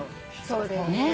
そうだよね。